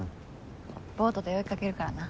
ボートで追いかけるからな。